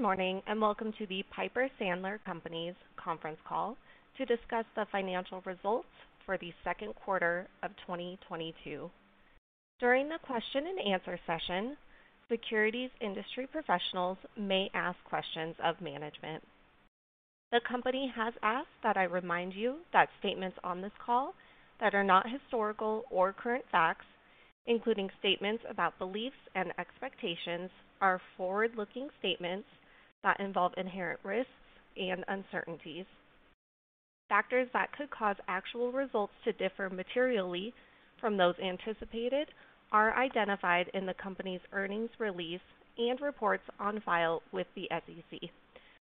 Good morning, and Welcome to the Piper Sandler Companies Conference Call to discuss the financial results for the Q2 of 2022. During the question and answer session, securities industry professionals may ask questions of management. The company has asked that I remind you that statements on this call that are not historical or current facts, including statements about beliefs and expectations, are forward-looking statements that involve inherent risks and uncertainties. Factors that could cause actual results to differ materially from those anticipated are identified in the company's earnings release and reports on file with the SEC,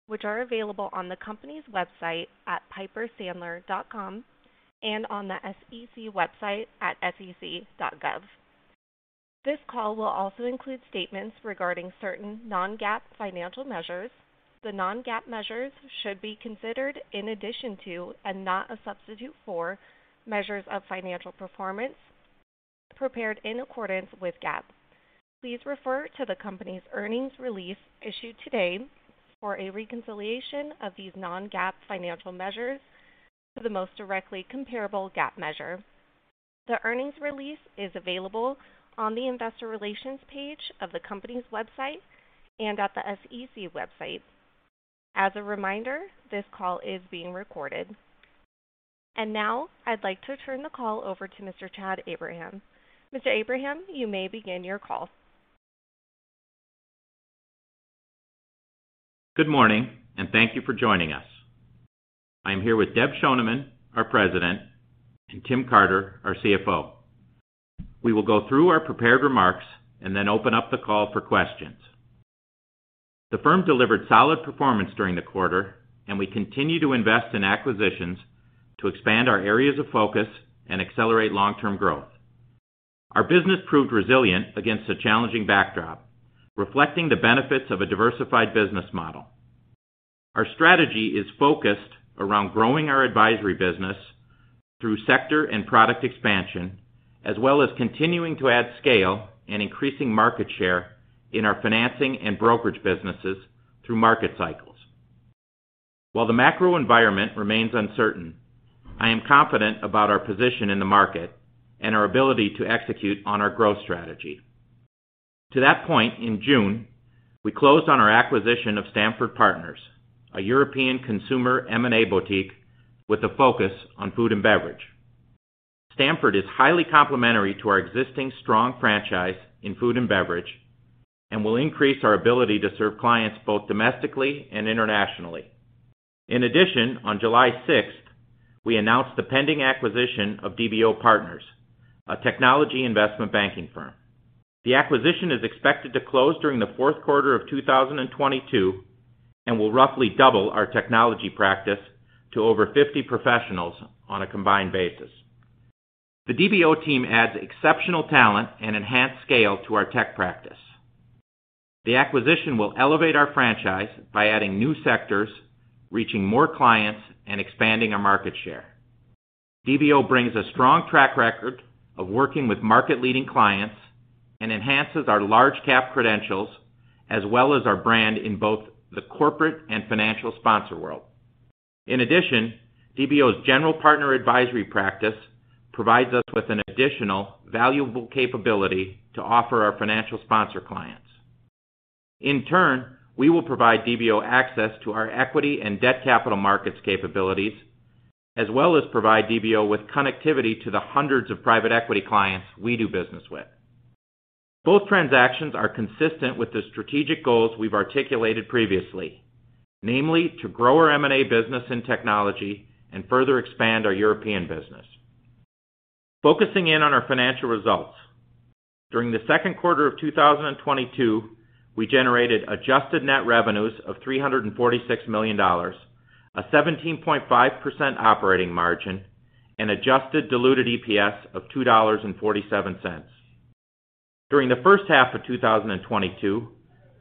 which are available on the company's website at pipersandler.com and on the SEC website at sec.gov. This call will also include statements regarding certain non-GAAP financial measures. The non-GAAP measures should be considered in addition to, and not a substitute for, measures of financial performance prepared in accordance with GAAP. Please refer to the company's earnings release issued today for a reconciliation of these non-GAAP financial measures to the most directly comparable GAAP measure. The earnings release is available on the investor relations page of the company's website and at the SEC website. As a reminder, this call is being recorded. Now I'd like to turn the call over to Mr. Chad Abraham. Mr. Abraham, you may begin your call. Good morning, and thank you for joining us. I am here with Deb Schoneman, our President, and Tim Carter, our CFO. We will go through our prepared remarks and then open up the call for questions. The firm delivered solid performance during the quarter, and we continue to invest in acquisitions to expand our areas of focus and accelerate long-term growth. Our business proved resilient against a challenging backdrop, reflecting the benefits of a diversified business model. Our strategy is focused around growing our advisory business through sector and product expansion, as well as continuing to add scale and increasing market share in our financing and brokerage businesses through market cycles. While the macro environment remains uncertain, I am confident about our position in the market and our ability to execute on our growth strategy. To that point, in June, we closed on our acquisition of Stamford Partners, a European consumer M&A boutique with a focus on food and beverage. Stamford is highly complementary to our existing strong franchise in food and beverage and will increase our ability to serve clients both domestically and internationally. In addition, on July 6, we announced the pending acquisition of DBO Partners, a technology investment banking firm. The acquisition is expected to close during the Q4 of 2022 and will roughly double our technology practice to over 50 professionals on a combined basis. The DBO team adds exceptional talent and enhanced scale to our tech practice. The acquisition will elevate our franchise by adding new sectors, reaching more clients, and expanding our market share. DBO brings a strong track record of working with market-leading clients and enhances our large cap credentials as well as our brand in both the corporate and financial sponsor world. In addition, DBO's general partner advisory practice provides us with an additional valuable capability to offer our financial sponsor clients. In turn, we will provide DBO access to our equity and debt capital markets capabilities, as well as provide DBO with connectivity to the hundreds of private equity clients we do business with. Both transactions are consistent with the strategic goals we've articulated previously, namely to grow our M&A business in technology and further expand our European business. Focusing in on our financial results. During the Q2 of 2022, we generated adjusted net revenues of $346 million, a 17.5% operating margin, and adjusted diluted EPS of $2.47. During the first half of 2022,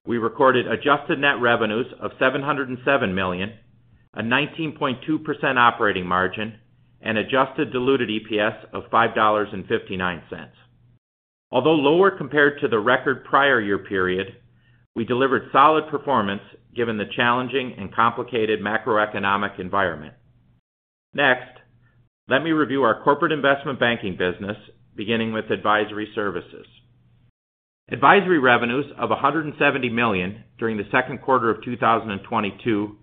we recorded adjusted net revenues of $707 million, a 19.2% operating margin, and adjusted diluted EPS of $5.59. Although lower compared to the record prior year period, we delivered solid performance given the challenging and complicated macroeconomic environment. Next, let me review our corporate investment banking business, beginning with advisory services. Advisory revenues of $170 million during the Q2 of 2022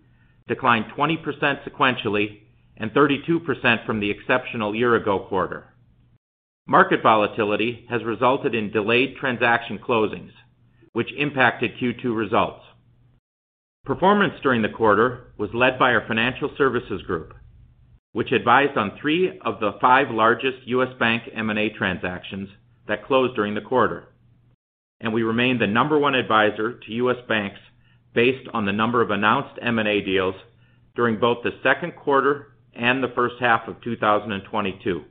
declined 20% sequentially and 32% from the exceptional year ago quarter. Market volatility has resulted in delayed transaction closings, which impacted Q2 results. Performance during the quarter was led by our financial services group, which advised on 3 of the 5 largest U.S. bank M&A transactions that closed during the quarter, and we remain the number 1 advisor to U.S. banks based on the number of announced M&A deals during both the Q2 and the first half of 2022.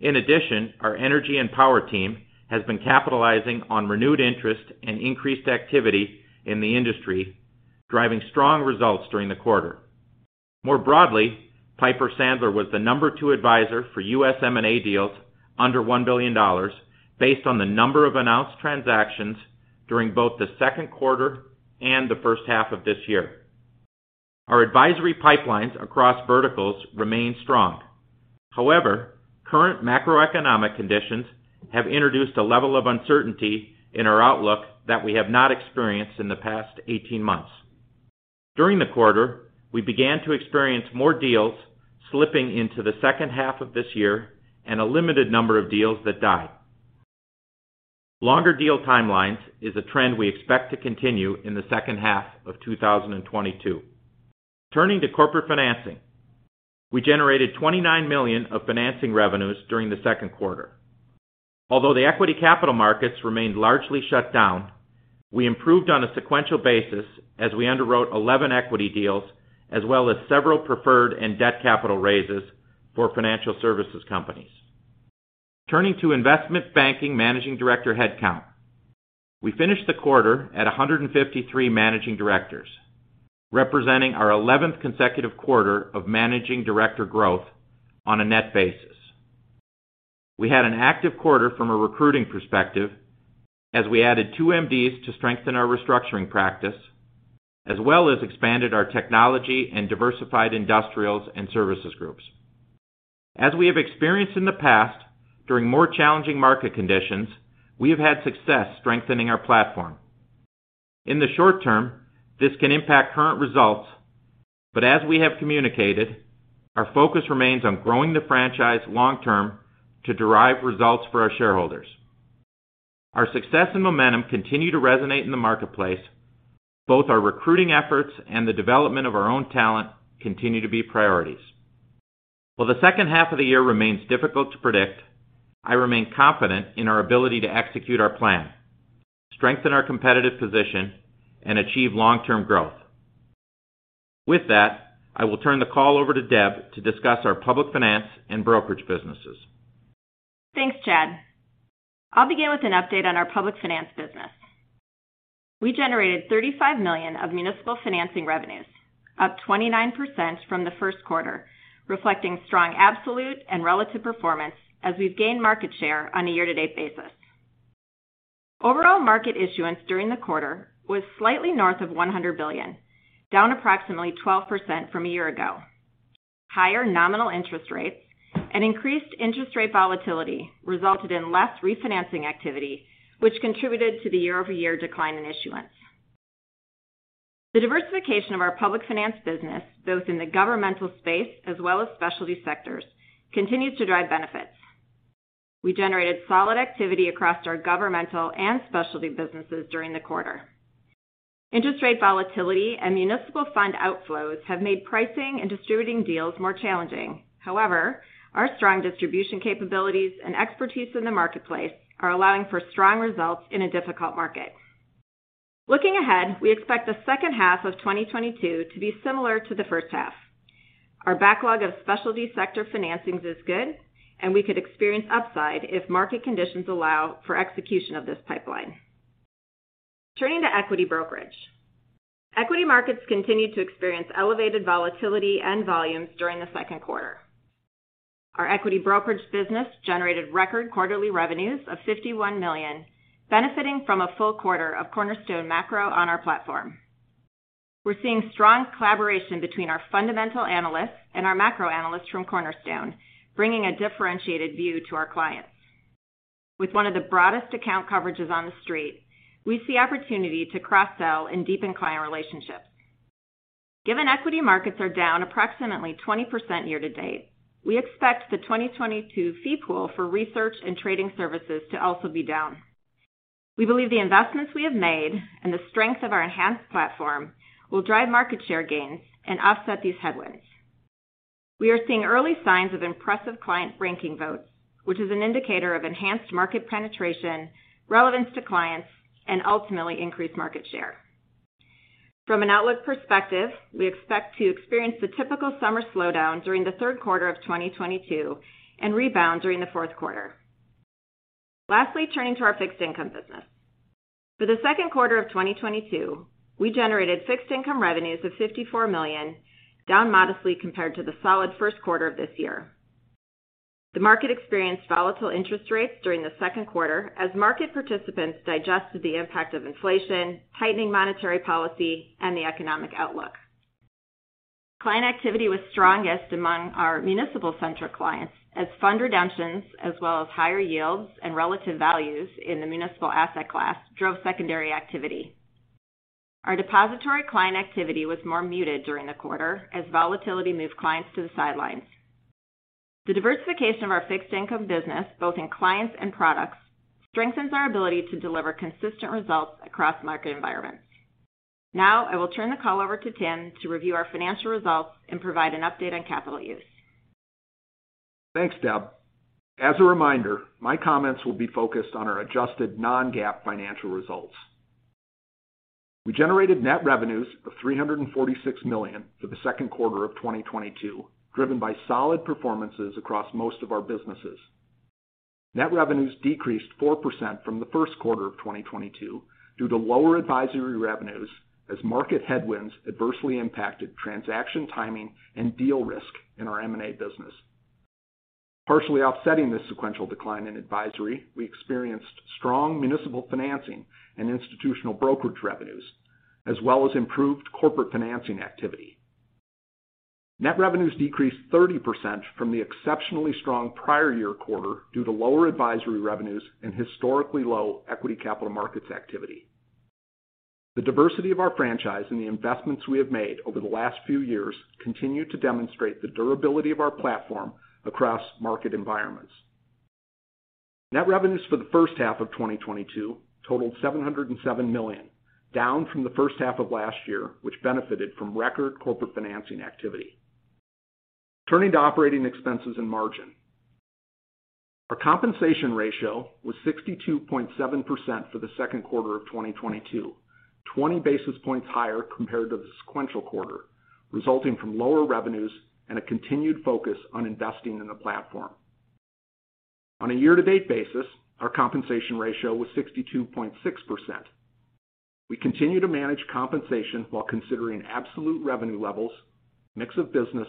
In addition, our energy and power team has been capitalizing on renewed interest and increased activity in the industry, driving strong results during the quarter. More broadly, Piper Sandler was the number 2 advisor for U.S. M&A deals under $1 billion based on the number of announced transactions during both the Q2 and the first half of this year. Our advisory pipelines across verticals remain strong. However, current macroeconomic conditions have introduced a level of uncertainty in our outlook that we have not experienced in the past 18 months. During the quarter, we began to experience more deals slipping into the second half of this year and a limited number of deals that died. Longer deal timelines is a trend we expect to continue in the second half of 2022. Turning to corporate financing, we generated $29 million of financing revenues during the Q2. Although the equity capital markets remained largely shut down, we improved on a sequential basis as we underwrote 11 equity deals, as well as several preferred and debt capital raises for financial services companies. Turning to investment banking managing director headcount, we finished the quarter at 153 managing directors, representing our 11th consecutive quarter of managing director growth on a net basis. We had an active quarter from a recruiting perspective as we added two MDs to strengthen our restructuring practice, as well as expanded our technology and diversified industrials and services groups. As we have experienced in the past during more challenging market conditions, we have had success strengthening our platform. In the short term, this can impact current results, but as we have communicated, our focus remains on growing the franchise long-term to derive results for our shareholders. Our success and momentum continue to resonate in the marketplace. Both our recruiting efforts and the development of our own talent continue to be priorities. While the second half of the year remains difficult to predict, I remain confident in our ability to execute our plan, strengthen our competitive position, and achieve long-term growth. With that, I will turn the call over to Deb to discuss our public finance and brokerage businesses. Thanks, Chad. I'll begin with an update on our public finance business. We generated $35 million of municipal financing revenues, up 29% from the Q1, reflecting strong absolute and relative performance as we've gained market share on a year-to-date basis. Overall market issuance during the quarter was slightly north of $100 billion, down approximately 12% from a year ago. Higher nominal interest rates and increased interest rate volatility resulted in less refinancing activity, which contributed to the year-over-year decline in issuance. The diversification of our public finance business, both in the governmental space as well as specialty sectors, continues to drive benefits. We generated solid activity across our governmental and specialty businesses during the quarter. Interest rate volatility and municipal fund outflows have made pricing and distributing deals more challenging. However, our strong distribution capabilities and expertise in the marketplace are allowing for strong results in a difficult market. Looking ahead, we expect the second half of 2022 to be similar to the first half. Our backlog of specialty sector financings is good, and we could experience upside if market conditions allow for execution of this pipeline. Turning to equity brokerage. Equity markets continued to experience elevated volatility and volumes during the Q2. Our equity brokerage business generated record quarterly revenues of $51 million, benefiting from a full quarter of Cornerstone Macro on our platform. We're seeing strong collaboration between our fundamental analysts and our macro analysts from Cornerstone, bringing a differentiated view to our clients. With one of the broadest account coverages on the street, we see opportunity to cross-sell and deepen client relationships. Given equity markets are down approximately 20% year-to-date, we expect the 2022 fee pool for research and trading services to also be down. We believe the investments we have made and the strength of our enhanced platform will drive market share gains and offset these headwinds. We are seeing early signs of impressive client ranking votes, which is an indicator of enhanced market penetration, relevance to clients, and ultimately increased market share. From an outlook perspective, we expect to experience the typical summer slowdown during the Q3 of 2022 and rebound during the Q4. Lastly, turning to our fixed income business. For the Q2 of 2022, we generated fixed income revenues of $54 million, down modestly compared to the solid Q1 of this year. The market experienced volatile interest rates during the Q2 as market participants digested the impact of inflation, heightened monetary policy, and the economic outlook. Client activity was strongest among our municipal-centric clients as fund redemptions, as well as higher yields and relative values in the municipal asset class drove secondary activity. Our depository client activity was more muted during the quarter as volatility moved clients to the sidelines. The diversification of our fixed income business, both in clients and products, strengthens our ability to deliver consistent results across market environments. Now, I will turn the call over to Tim to review our financial results and provide an update on capital use. Thanks, Deb. As a reminder, my comments will be focused on our adjusted non-GAAP financial results. We generated net revenues of $346 million for the Q2 of 2022, driven by solid performances across most of our businesses. Net revenues decreased 4% from the Q1 of 2022 due to lower advisory revenues as market headwinds adversely impacted transaction timing and deal risk in our M&A business. Partially offsetting this sequential decline in advisory, we experienced strong municipal financing and institutional brokerage revenues, as well as improved corporate financing activity. Net revenues decreased 30% from the exceptionally strong prior year quarter due to lower advisory revenues and historically low equity capital markets activity. The diversity of our franchise and the investments we have made over the last few years continue to demonstrate the durability of our platform across market environments. Net revenues for the first half of 2022 totaled $707 million, down from the first half of last year, which benefited from record corporate financing activity. Turning to operating expenses and margin. Our compensation ratio was 62.7% for the Q2 of 2022, 20 basis points higher compared to the sequential quarter, resulting from lower revenues and a continued focus on investing in the platform. On a year-to-date basis, our compensation ratio was 62.6%. We continue to manage compensation while considering absolute revenue levels, mix of business,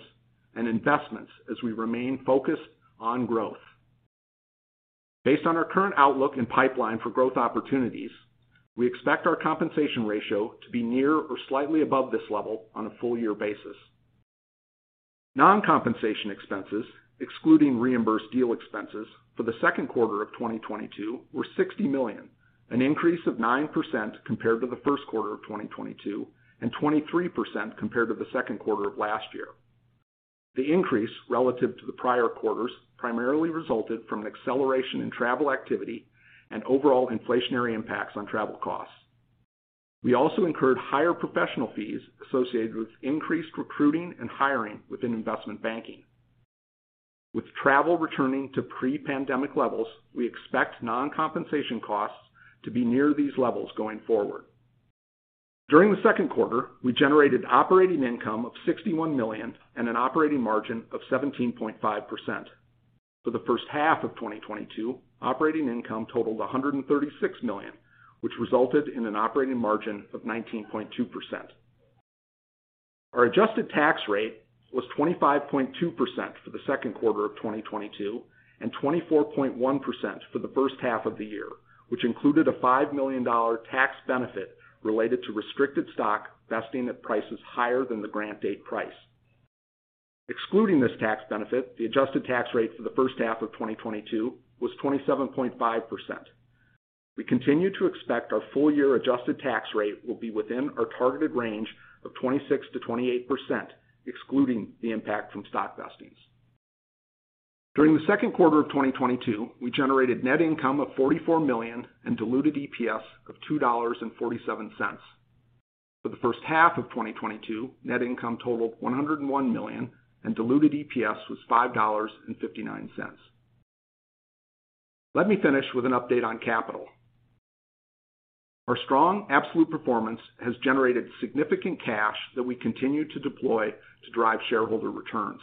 and investments as we remain focused on growth. Based on our current outlook and pipeline for growth opportunities, we expect our compensation ratio to be near or slightly above this level on a full year basis. Non-compensation expenses, excluding reimbursed deal expenses, for the Q2 of 2022 were $60 million, an increase of 9% compared to the Q1 of 2022 and 23% compared to the Q2 of last year. The increase relative to the prior quarters primarily resulted from an acceleration in travel activity and overall inflationary impacts on travel costs. We also incurred higher professional fees associated with increased recruiting and hiring within investment banking. With travel returning to pre-pandemic levels, we expect non-compensation costs to be near these levels going forward. During the Q2, we generated operating income of $61 million and an operating margin of 17.5%. For the first half of 2022, operating income totaled $136 million, which resulted in an operating margin of 19.2%. Our adjusted tax rate was 25.2% for the Q2 of 2022 and 24.1% for the first half of the year, which included a $5 million tax benefit related to restricted stock vesting at prices higher than the grant date price. Excluding this tax benefit, the adjusted tax rate for the first half of 2022 was 27.5%. We continue to expect our full year adjusted tax rate will be within our targeted range of 26%-28%, excluding the impact from stock vestings. During the Q2 of 2022, we generated net income of $44 million and diluted EPS of $2.47. For the first half of 2022, net income totaled $101 million, and diluted EPS was $5.59. Let me finish with an update on capital. Our strong absolute performance has generated significant cash that we continue to deploy to drive shareholder returns.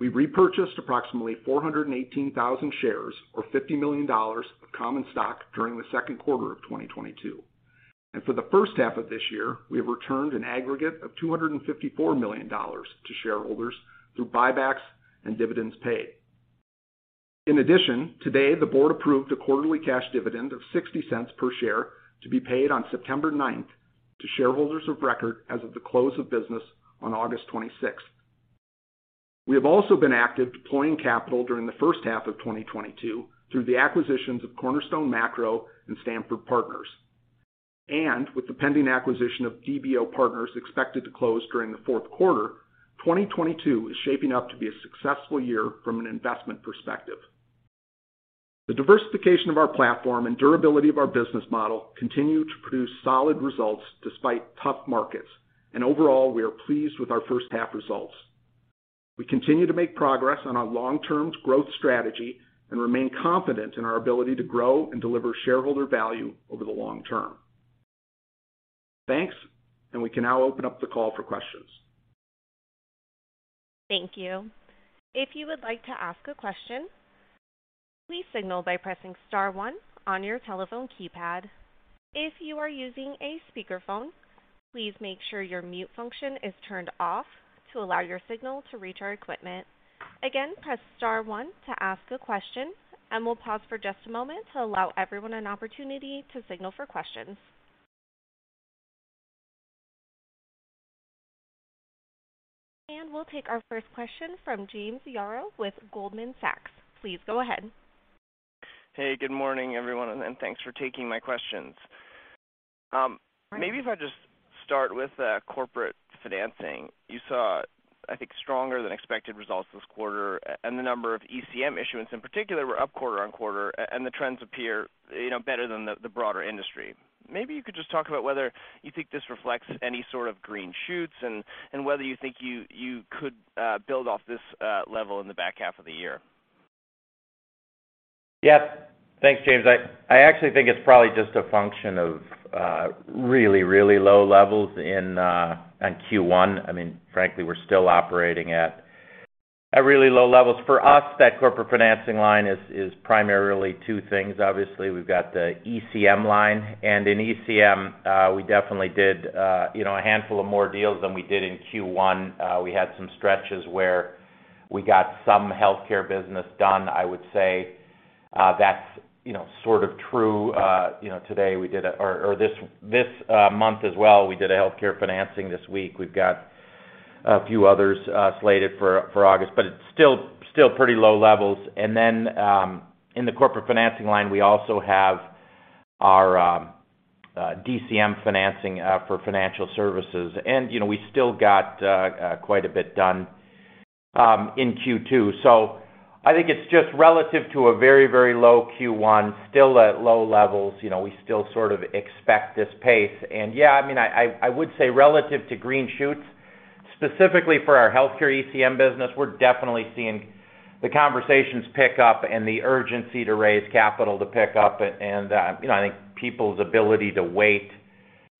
We repurchased approximately 418,000 shares or $50 million of common stock during the Q2 of 2022. For the first half of this year, we have returned an aggregate of $254 million to shareholders through buybacks and dividends paid. In addition, today, the board approved a quarterly cash dividend of $0.60 per share to be paid on September 9 to shareholders of record as of the close of business on August 26. We have also been active deploying capital during the first half of 2022 through the acquisitions of Cornerstone Macro and Stamford Partners. With the pending acquisition of DBO Partners expected to close during the Q4, 2022 is shaping up to be a successful year from an investment perspective. The diversification of our platform and durability of our business model continue to produce solid results despite tough markets. Overall, we are pleased with our first half results. We continue to make progress on our long-term growth strategy and remain confident in our ability to grow and deliver shareholder value over the long term. Thanks, and we can now open up the call for questions. Thank you. If you would like to ask a question, please signal by pressing star one on your telephone keypad. If you are using a speakerphone, please make sure your mute function is turned off to allow your signal to reach our equipment. Again, press star one to ask a question, and we'll pause for just a moment to allow everyone an opportunity to signal for questions. We'll take our first question from James Yaro with Goldman Sachs. Please go ahead. Hey, good morning, everyone, and thanks for taking my questions. Maybe if I just start with corporate financing. You saw, I think, stronger than expected results this quarter, and the number of ECM issuance in particular were up quarter-over-quarter and the trends appear, you know, better than the broader industry. Maybe you could just talk about whether you think this reflects any sort of green shoots and whether you think you could build off this level in the back half of the year. Thanks, James. I actually think it's probably just a function of really low levels in Q1. I mean, frankly, we're still operating at really low levels. For us, that corporate financing line is primarily two things. Obviously, we've got the ECM line, and in ECM, we definitely did you know a handful of more deals than we did in Q1. We had some stretches where we got some healthcare business done. I would say that's you know sort of true. You know today we did or this month as well we did a healthcare financing this week. We've got a few others slated for August, but it's still pretty low levels. Then in the corporate financing line, we also have our DCM financing for financial services. You know, we still got quite a bit done in Q2. I think it's just relative to a very, very low Q1, still at low levels. You know, we still sort of expect this pace. Yeah, I mean, I would say relative to green shoots, specifically for our healthcare ECM business, we're definitely seeing the conversations pick up and the urgency to raise capital to pick up. And you know, I think people's ability to wait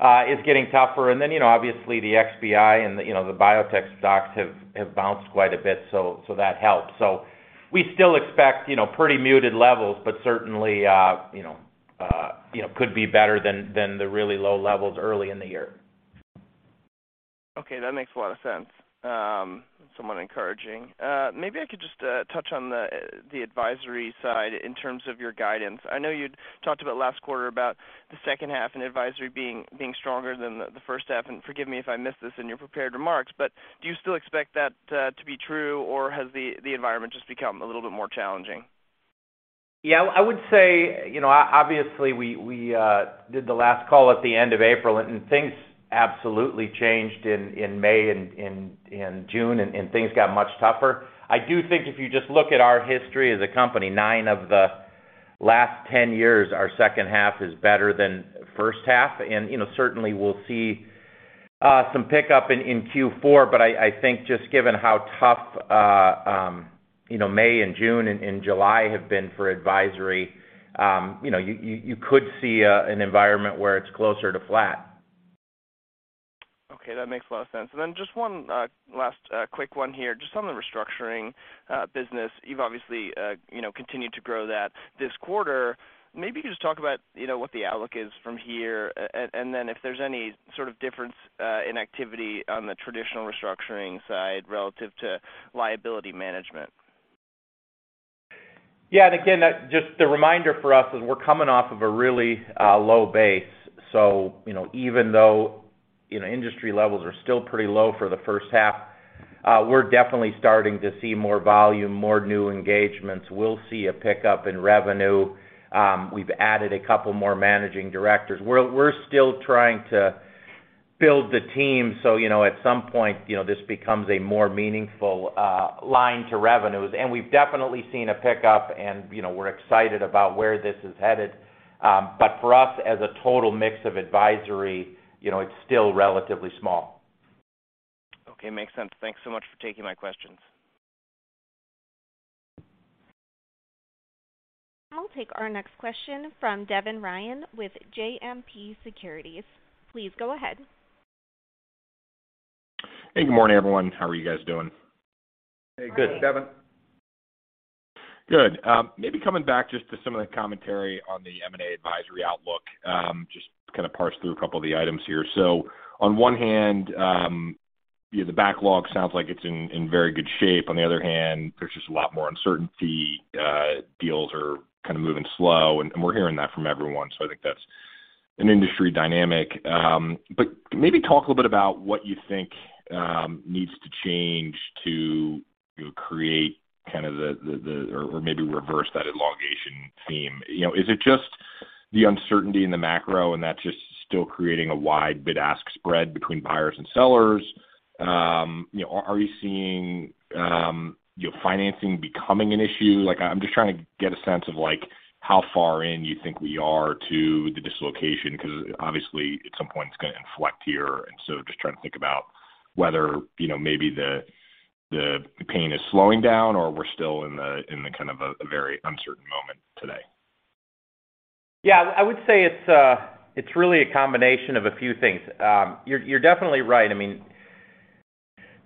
is getting tougher. Then, you know, obviously the XBI and the you know, the biotech stocks have bounced quite a bit, so that helps. We still expect you know, pretty muted levels, but certainly you know you know, could be better than the really low levels early in the year. Okay, that makes a lot of sense. Somewhat encouraging. Maybe I could just touch on the advisory side in terms of your guidance. I know you'd talked about last quarter about the second half and advisory being stronger than the first half, and forgive me if I missed this in your prepared remarks, but do you still expect that to be true, or has the environment just become a little bit more challenging? Yeah. I would say, you know, obviously, we did the last call at the end of April, and things absolutely changed in May and June and things got much tougher. I do think if you just look at our history as a company, nine of the last 10 years, our second half is better than first half. You know, certainly we'll see some pickup in Q4, but I think just given how tough, you know, May and June and July have been for advisory, you know, you could see an environment where it's closer to flat. Okay, that makes a lot of sense. Just one last quick one here. Just on the restructuring business, you've obviously you know continued to grow that this quarter. Maybe you could just talk about you know what the outlook is from here and then if there's any sort of difference in activity on the traditional restructuring side relative to liability management. Yeah. Again, that's just the reminder for us is we're coming off of a really low base. You know, even though, you know, industry levels are still pretty low for the first half, we're definitely starting to see more volume, more new engagements. We'll see a pickup in revenue. We've added a couple more Managing Directors. We're still trying to build the team. You know, at some point, you know, this becomes a more meaningful line to revenues. We've definitely seen a pickup and, you know, we're excited about where this is headed. But for us, as a total mix of advisory, you know, it's still relatively small. Okay. Makes sense. Thanks so much for taking my questions. I'll take our next question from Devin Ryan with JMP Securities. Please go ahead. Hey, good morning, everyone. How are you guys doing? Hey, good, Devin. Great. Good. Maybe coming back just to some of the commentary on the M&A advisory outlook, just to kind of parse through a couple of the items here. On one hand, you know, the backlog sounds like it's in very good shape. On the other hand, there's just a lot more uncertainty. Deals are kind of moving slow, and we're hearing that from everyone. I think that's an industry dynamic. Maybe talk a little bit about what you think needs to change to, you know, create kind of the or maybe reverse that elongation theme. You know, is it just the uncertainty in the macro, and that's just still creating a wide bid-ask spread between buyers and sellers? You know, are you seeing you know, financing becoming an issue? Like, I'm just trying to get a sense of like, how far in you think we are to the dislocation, 'cause obviously at some point it's gonna inflect here, and so just trying to think about whether, you know, maybe the pain is slowing down or we're still in a kind of a very uncertain moment today. Yeah. I would say it's really a combination of a few things. You're definitely right. I mean,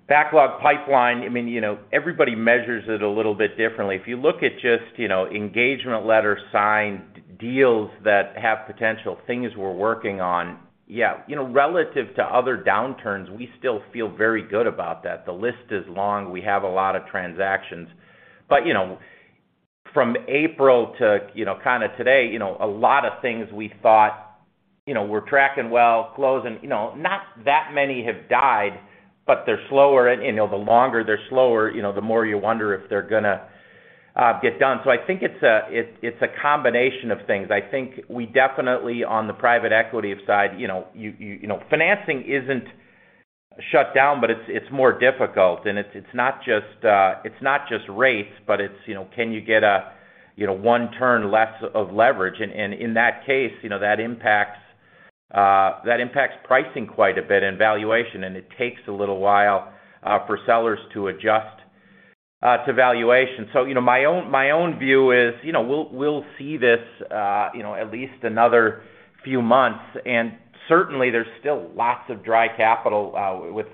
backlog pipeline, I mean, you know, everybody measures it a little bit differently. If you look at just, you know, engagement letters signed, deals that have potential, things we're working on, yeah, you know, relative to other downturns, we still feel very good about that. The list is long. We have a lot of transactions. But, you know, from April to, you know, kinda today, you know, a lot of things we thought, you know, were tracking well, closing, you know, not that many have died, but they're slower and, you know, the longer they're slower, you know, the more you wonder if they're gonna get done. So I think it's a combination of things. I think we definitely on the private equity side, you know, financing isn't shut down, but it's more difficult. It's not just rates, but you know, can you get a you know, one turn less of leverage? In that case, you know, that impacts pricing quite a bit and valuation, and it takes a little while for sellers to adjust to valuation. You know, my own view is, you know, we'll see this at least another few months. Certainly there's still lots of dry capital with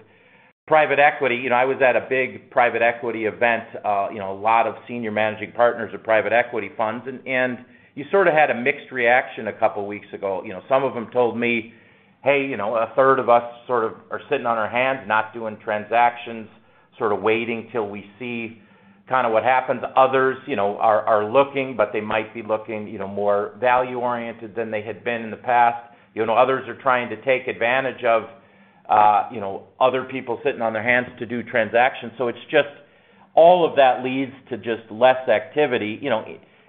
private equity. You know, I was at a big private equity event, you know, a lot of senior managing partners of private equity funds, and you sort of had a mixed reaction a couple weeks ago. You know, some of them told me, "Hey, you know, a third of us sort of are sitting on our hands, not doing transactions, sort of waiting till we see kinda what happens." Others, you know, are looking, but they might be looking, you know, more value-oriented than they had been in the past. You know, others are trying to take advantage of, you know, other people sitting on their hands to do transactions. So it's just all of that leads to just less activity. You know,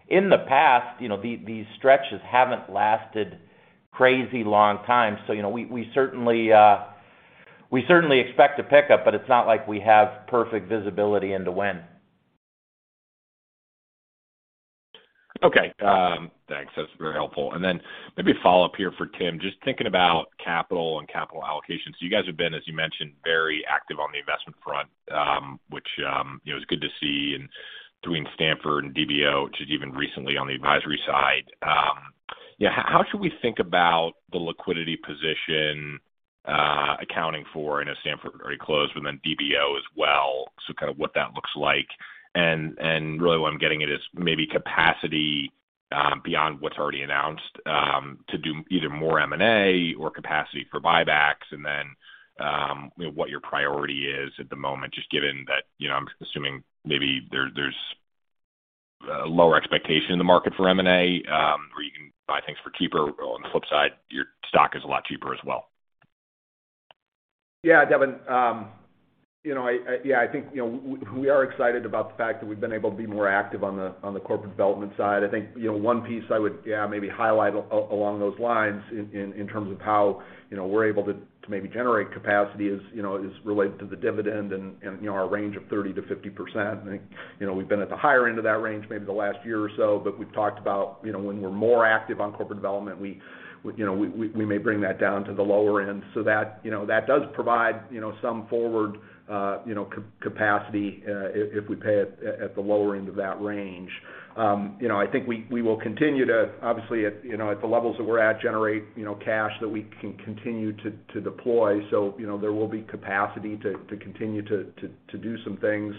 in the past, you know, these stretches haven't lasted crazy long time. You know, we certainly expect to pick up, but it's not like we have perfect visibility into when. Okay. Thanks. That's very helpful. Maybe a follow-up here for Tim. Just thinking about capital and capital allocation. You guys have been, as you mentioned, very active on the investment front, which, you know, is good to see. Between Stamford and DBO, which is even recently on the advisory side, how should we think about the liquidity position, accounting for, I know Stamford already closed, but then DBO as well. Kind of what that looks like. Really what I'm getting at is maybe capacity, beyond what's already announced, to do either more M&A or capacity for buybacks and then, you know, what your priority is at the moment, just given that, you know, I'm assuming maybe there's a lower expectation in the market for M&A, where you can buy things for cheaper. On the flip side, your stock is a lot cheaper as well. Yeah. Devin, you know, I think, you know, we are excited about the fact that we've been able to be more active on the corporate development side. I think, you know, one piece I would maybe highlight along those lines in terms of how, you know, we're able to maybe generate capacity is, you know, related to the dividend and, you know, our range of 30%-50%. You know, we've been at the higher end of that range maybe the last year or so, but we've talked about, you know, when we're more active on corporate development, we, you know, we may bring that down to the lower end. That, you know, that does provide, you know, some forward capacity if we pay at the lower end of that range. You know, I think we will continue to obviously at the levels that we're at generate cash that we can continue to deploy. You know, there will be capacity to continue to do some things.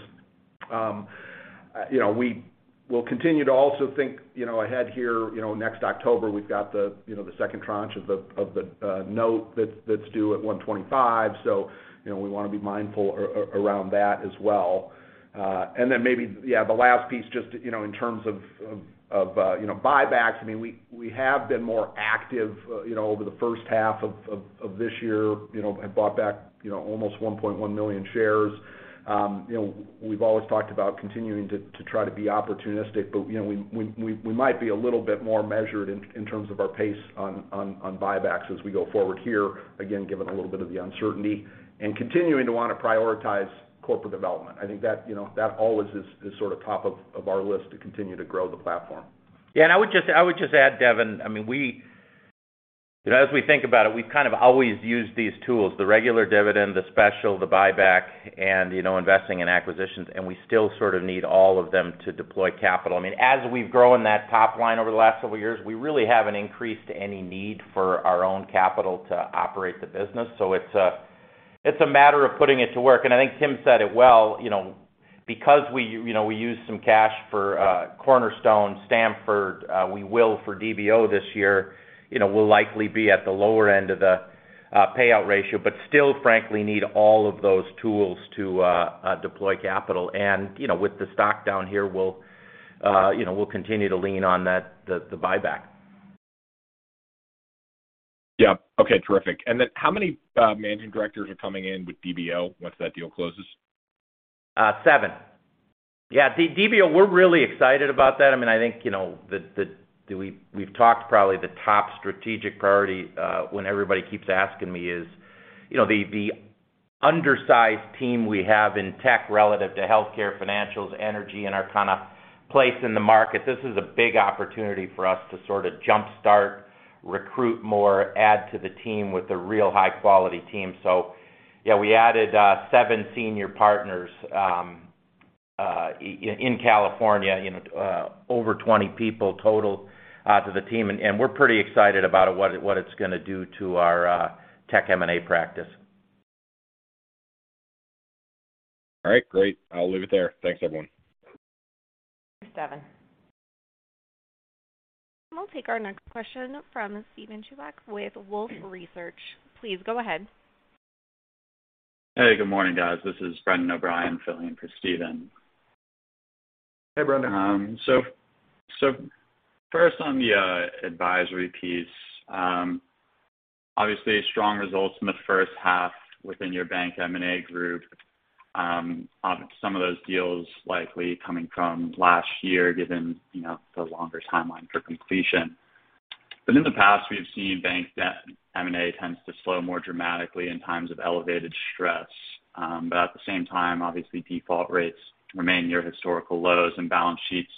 You know, we will continue to also think ahead here. You know, next October we've got the second tranche of the note that's due at $125. You know, we wanna be mindful around that as well. Maybe, yeah, the last piece, just, you know, in terms of buybacks, I mean, we have been more active, you know, over the first half of this year. You know, have bought back, you know, almost 1.1 million shares. You know, we've always talked about continuing to try to be opportunistic, but, you know, we might be a little bit more measured in terms of our pace on buybacks as we go forward here, again, given a little bit of the uncertainty. Continuing to wanna prioritize corporate development. I think that, you know, that always is sort of top of our list to continue to grow the platform. Yeah. I would just add, Devin, I mean, you know, as we think about it, we've kind of always used these tools, the regular dividend, the special, the buyback, and, you know, investing in acquisitions, and we still sort of need all of them to deploy capital. I mean, as we've grown that top line over the last several years, we really haven't increased any need for our own capital to operate the business. It's a matter of putting it to work. I think Tim said it well, you know, because we use some cash for Cornerstone, Stamford, we will for DBO this year, you know, we'll likely be at the lower end of the payout ratio, but still frankly need all of those tools to deploy capital. You know, with the stock down here, we'll continue to lean on that, the buyback. Yeah. Okay, terrific. How many managing directors are coming in with DBO once that deal closes? Seven. Yeah, DBO, we're really excited about that. I mean, I think, you know, we've talked probably the top strategic priority when everybody keeps asking me is, you know, the undersized team we have in tech relative to healthcare, financials, energy, and our kind of place in the market. This is a big opportunity for us to sort of jump-start, recruit more, add to the team with a real high quality team. So yeah, we added seven senior partners in California, you know, over 20 people total to the team, and we're pretty excited about what it's gonna do to our tech M&A practice. All right, great. I'll leave it there. Thanks, everyone. Thanks, Devin. We'll take our next question from Steven Chubak with Wolfe Research. Please go ahead. Hey, good morning, guys. This is Brendan O'Brien filling in for Steven. Hey, Brendan. First on the advisory piece. Obviously strong results from the first half within your bank M&A group, on some of those deals likely coming from last year, given, you know, the longer timeline for completion. In the past, we've seen bank M&A tends to slow more dramatically in times of elevated stress. At the same time, obviously default rates remain near historical lows and balance sheets.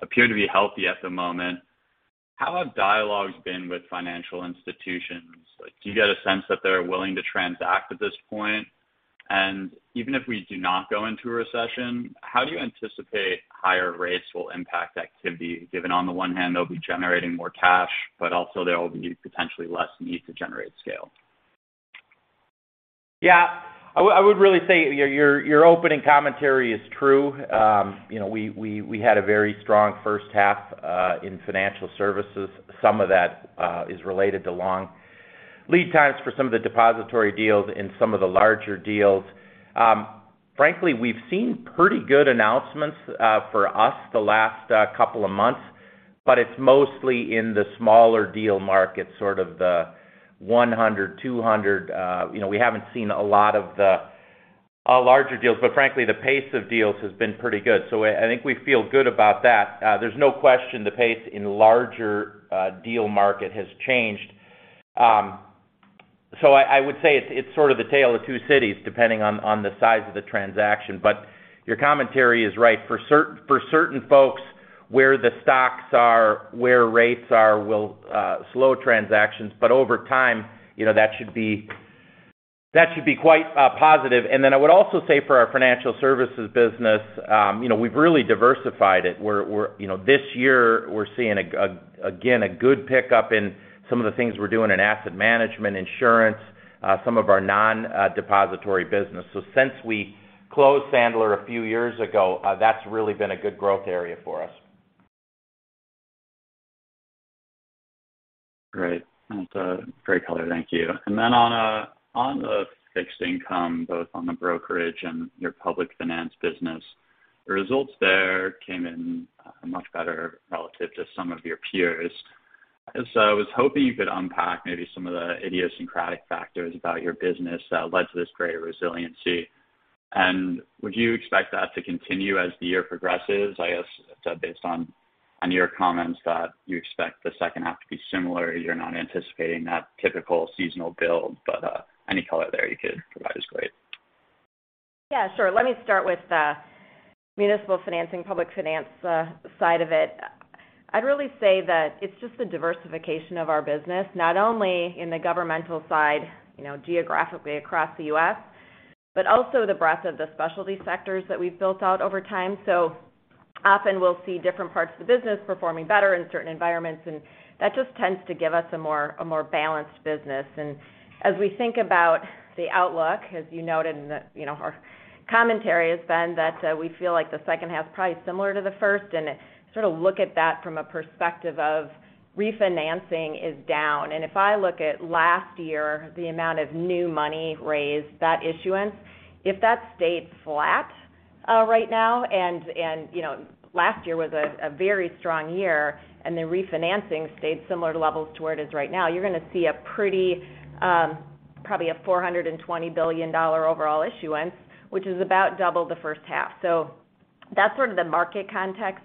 Appear to be healthy at the moment. How have dialogues been with financial institutions? Like, do you get a sense that they're willing to transact at this point? Even if we do not go into a recession, how do you anticipate higher rates will impact activity, given on the one hand, they'll be generating more cash, but also there will be potentially less need to generate scale? Yeah. I would really say your opening commentary is true. You know, we had a very strong first half in financial services. Some of that is related to long lead times for some of the depository deals and some of the larger deals. Frankly, we've seen pretty good announcements for us the last couple of months, but it's mostly in the smaller deal market, sort of the $100-$200. You know, we haven't seen a lot of the larger deals, but frankly, the pace of deals has been pretty good. I think we feel good about that. There's no question the pace in larger deal market has changed. I would say it's sort of the tale of two cities, depending on the size of the transaction. Your commentary is right. For certain folks, where the stocks are, where rates are, will slow transactions, but over time, you know, that should be quite positive. Then I would also say for our financial services business, you know, we've really diversified it. You know, this year we're seeing a good pickup in some of the things we're doing in asset management, insurance, some of our non-depository business. Since we closed Sandler a few years ago, that's really been a good growth area for us. Great. That's a great color. Thank you. On the fixed income, both on the brokerage and your public finance business, the results there came in much better relative to some of your peers. I was hoping you could unpack maybe some of the idiosyncratic factors about your business that led to this greater resiliency. Would you expect that to continue as the year progresses? I guess based on your comments that you expect the second half to be similar, you're not anticipating that typical seasonal build, but any color there you could provide is great. Yeah, sure. Let me start with the municipal financing, public finance, side of it. I'd really say that it's just the diversification of our business, not only in the governmental side, you know, geographically across the U.S., but also the breadth of the specialty sectors that we've built out over time. So often we'll see different parts of the business performing better in certain environments, and that just tends to give us a more balanced business. As we think about the outlook, as you noted in the you know our commentary has been that we feel like the second half probably is similar to the first and sort of look at that from a perspective of refinancing is down. If I look at last year, the amount of new money raised, that issuance, if that stayed flat right now and, you know, last year was a very strong year, and the refinancing stayed similar levels to where it is right now, you're gonna see a pretty, probably a $420 billion overall issuance, which is about double the first half. That's sort of the market context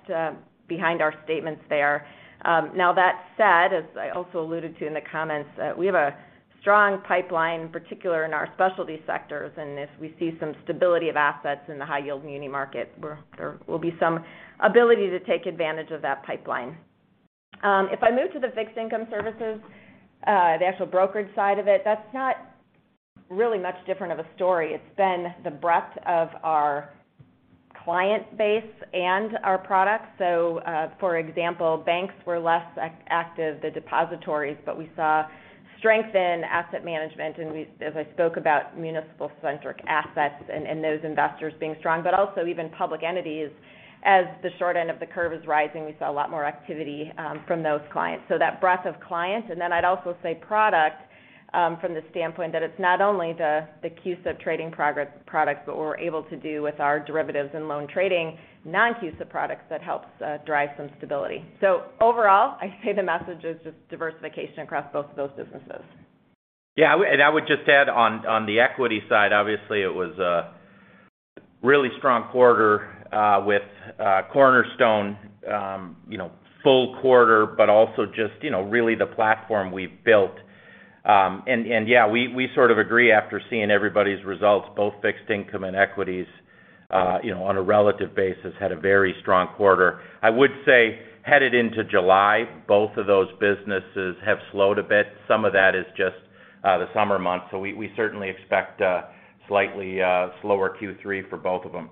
behind our statements there. Now that said, as I also alluded to in the comments, we have a strong pipeline, particularly in our specialty sectors, and if we see some stability of assets in the high-yield muni market, where there will be some ability to take advantage of that pipeline. If I move to the fixed income services, the actual brokerage side of it, that's not really much different of a story. It's been the breadth of our client base and our products. For example, banks were less active, the depositories, but we saw strength in asset management. As I spoke about municipal-centric assets and those investors being strong, but also even public entities. As the short end of the curve is rising, we saw a lot more activity from those clients. That breadth of client. Then I'd also say product from the standpoint that it's not only the CUSIP trading product, but we're able to do with our derivatives and loan trading, non-CUSIP products that helps drive some stability. Overall, I'd say the message is just diversification across both of those businesses. Yeah. I would just add on the equity side, obviously, it was a really strong quarter with Cornerstone, you know, full quarter, but also just, you know, really the platform we've built. Yeah, we sort of agree after seeing everybody's results, both fixed income and equities, you know, on a relative basis, had a very strong quarter. I would say headed into July, both of those businesses have slowed a bit. Some of that is just the summer months. We certainly expect a slightly slower Q3 for both of them.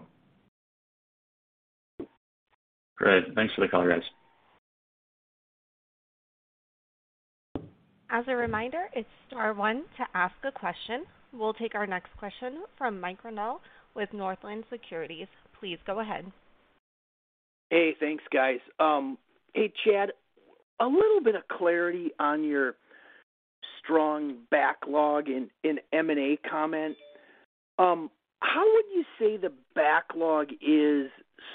Great. Thanks for the color, guys. As a reminder, it's star one to ask a question. We'll take our next question from Mike Grondahl with Northland Securities. Please go ahead. Hey, thanks, guys. Hey, Chad, a little bit of clarity on your strong backlog in M&A comment. How would you say the backlog is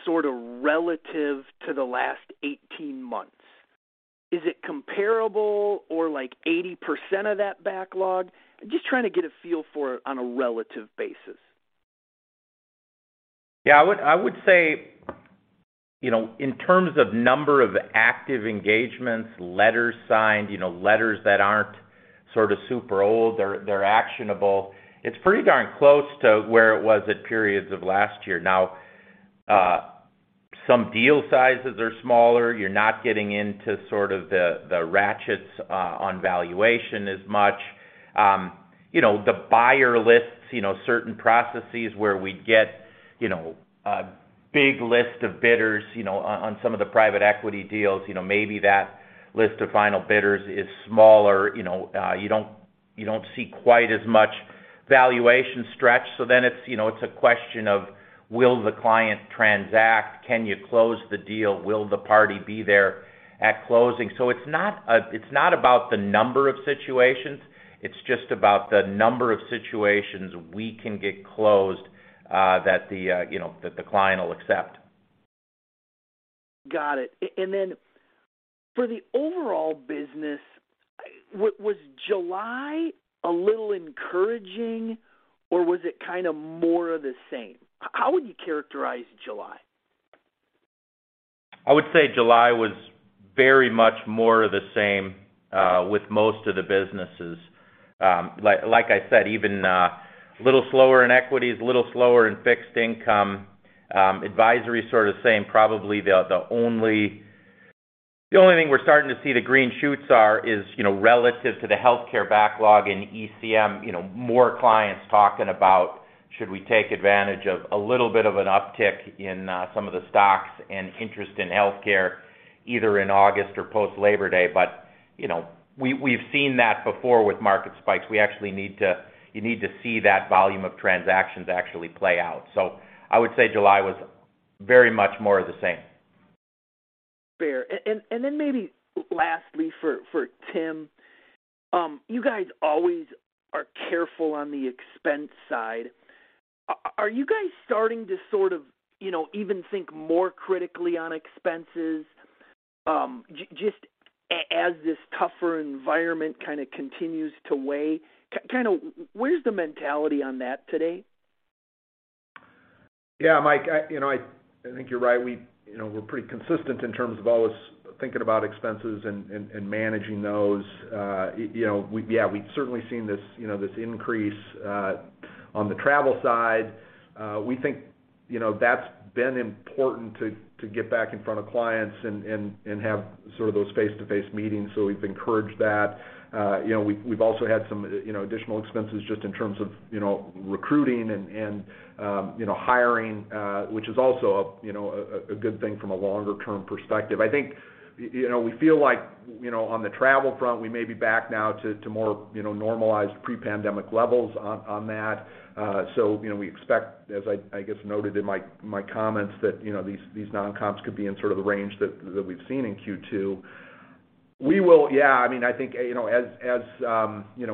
sort of relative to the last 18 months? Is it comparable or like 80% of that backlog? Just trying to get a feel for it on a relative basis. Yeah, I would say, you know, in terms of number of active engagements, letters signed, you know, letters that aren't sort of super old. They're actionable. It's pretty darn close to where it was at peak periods of last year. Now, some deal sizes are smaller. You're not getting into sort of the ratchets on valuation as much. You know, the buyer lists, you know, certain processes where we get, you know, a big list of bidders, you know, on some of the private equity deals. You know, maybe that list of final bidders is smaller. You know, you don't see quite as much valuation stretch. So then it's, you know, it's a question of, will the client transact? Can you close the deal? Will the party be there at closing? It's not about the number of situations. It's just about the number of situations we can get closed, you know, that the client will accept. Got it. For the overall business, was July a little encouraging or was it kind of more of the same? How would you characterize July? I would say July was very much more of the same with most of the businesses. Like I said, even a little slower in equities, a little slower in fixed income. Advisory is sort of saying probably the only thing we're starting to see the green shoots are is, you know, relative to the healthcare backlog in ECM, you know, more clients talking about should we take advantage of a little bit of an uptick in some of the stocks and interest in healthcare either in August or post Labor Day. But you know, we've seen that before with market spikes. You actually need to see that volume of transactions actually play out. I would say July was very much more of the same. Fair. Then maybe lastly for Tim, you guys always are careful on the expense side. Are you guys starting to sort of, you know, even think more critically on expenses, just as this tougher environment kind of continues to weigh? Kind of where's the mentality on that today? Yeah, Mike, you know, I think you're right. We, you know, we're pretty consistent in terms of always thinking about expenses and managing those. You know, we've certainly seen this, you know, this increase on the travel side. We think, you know, that's been important to get back in front of clients and have sort of those face-to-face meetings. We've encouraged that. You know, we've also had some, you know, additional expenses just in terms of, you know, recruiting and hiring, which is also a good thing from a longer term perspective. I think, you know, we feel like, you know, on the travel front, we may be back now to more, you know, normalized pre-pandemic levels on that. We expect as I guess noted in my comments that, you know, these non-comps could be in sort of the range that we've seen in Q2. We will. Yeah, I mean, I think, you know, as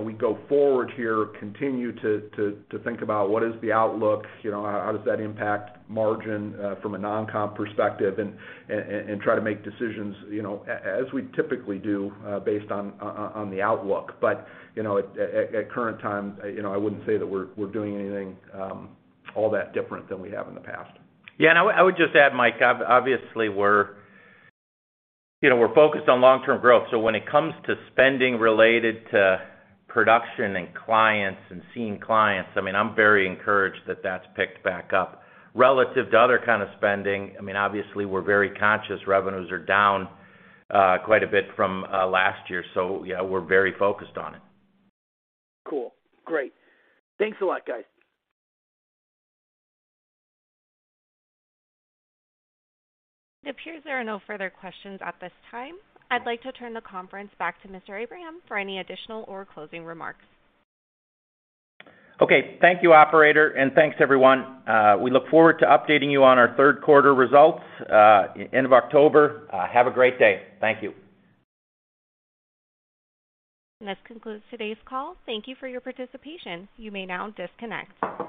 we go forward here, continue to think about what is the outlook, you know, how does that impact margin from a non-comp perspective and try to make decisions, you know, as we typically do, based on the outlook. You know, at current time, you know, I wouldn't say that we're doing anything all that different than we have in the past. Yeah. I would just add, Mike, obviously we're, you know, we're focused on long-term growth. When it comes to spending related to production and clients and seeing clients, I mean, I'm very encouraged that that's picked back up. Relative to other kind of spending, I mean, obviously we're very conscious. Revenues are down quite a bit from last year. Yeah, we're very focused on it. Cool. Great. Thanks a lot, guys. It appears there are no further questions at this time. I'd like to turn the conference back to Mr. Abraham for any additional or closing remarks. Okay. Thank you, operator, and thanks everyone. We look forward to updating you on our Q3 results end of October. Have a great day. Thank you. This concludes today's call. Thank you for your participation. You may now disconnect.